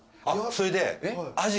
それで。